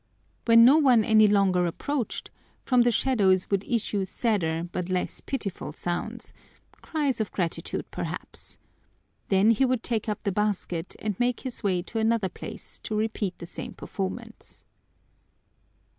When no one any longer approached, from the shadows would issue sadder but less pitiful sounds, cries of gratitude perhaps. Then he would take up the basket and make his way to another place to repeat the same performance.